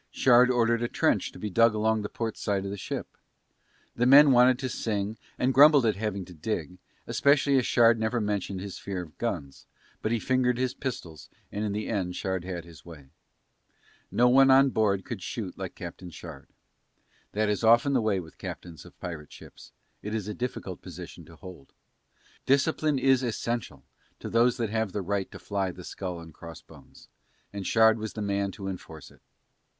Shard ordered a trench to be dug along the port side of the ship. The men wanted to sing and grumbled at having to dig, especially as Shard never mentioned his fear of guns, but he fingered his pistols and in the end Shard had his way. No one on board could shoot like Captain Shard. That is often the way with captains of pirate ships, it is a difficult position to hold. Discipline is essential to those that have the right to fly the skull and cross bones, and Shard was the man to enforce it.